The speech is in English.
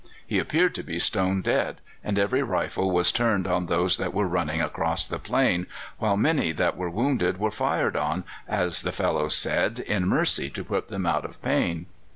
He appeared to be stone dead, and every rifle was turned on those that were running across the plain, while many that were wounded were fired on, as the fellows said, in mercy to put them out of pain.